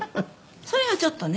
「それがちょっとね。